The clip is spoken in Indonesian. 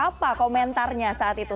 apa komentarnya saat itu